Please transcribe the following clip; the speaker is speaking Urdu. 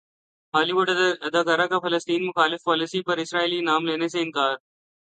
ہالی وڈ اداکارہ کا فلسطین مخالف پالیسی پر اسرائیلی انعام لینے سے انکار